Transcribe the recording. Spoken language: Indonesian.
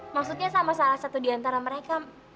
maksudnya sama salah satu diantara mereka